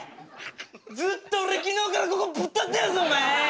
ずっと俺昨日からここぶっ立ってるぞお前！